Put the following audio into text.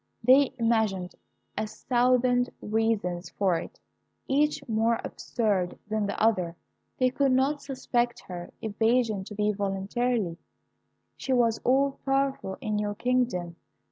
They imagined a thousand reasons for it, each more absurd than the other. They could not suspect her evasion to be voluntary. She was all powerful in your kingdom.